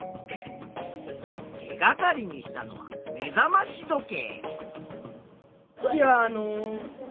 手がかりにしたのは目覚まし時計。